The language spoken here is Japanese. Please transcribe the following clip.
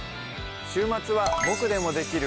週末は「ボクでもできる！